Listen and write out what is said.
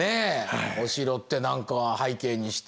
お城って何か背景にして。